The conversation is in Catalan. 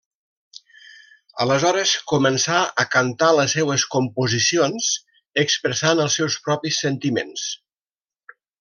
Aleshores començà a cantar les seues composicions expressant els seus propis sentiments.